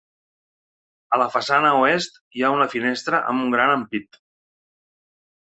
A la façana oest, hi ha una finestra amb gran ampit.